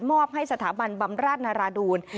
อบให้สถาบันบำราชนาราดูล